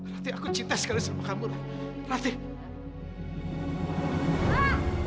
ratih aku cinta sekali sama kamu ratih